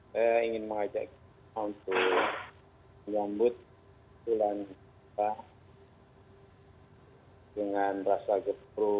saya ingin mengajak anda untuk mengambut tulang kita dengan rasa gembira